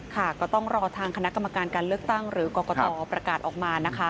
ค่ะก็ต้องรอทางคณะกรรมการคำเลือกตั้งหรือกรงค์กรกตอบริการประกาศออกมานะคะ